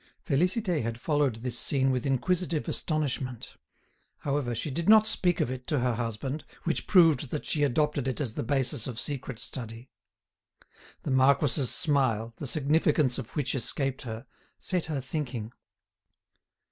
Félicité had followed this scene with inquisitive astonishment. However, she did not speak of it to her husband, which proved that she adopted it as the basis of secret study. The marquis's smile, the significance of which escaped her, set her thinking.